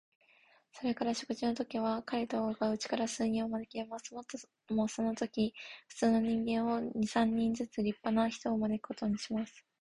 それから食事のときには、彼等のうちから数人招きます。もっともそのときには、普通の人間も、二三人ずつ立派な人を招くことにします。